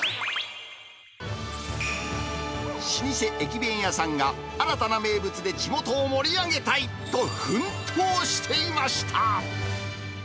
老舗駅弁屋さんが、新たな名物で地元を盛り上げたいと、奮闘していました。